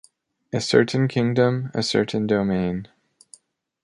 A certain kingdom, a certain domain.